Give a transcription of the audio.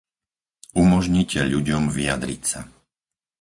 Umožnite ľuďom vyjadriť sa.